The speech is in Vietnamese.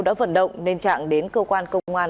đã vận động nên trạng đến cơ quan công an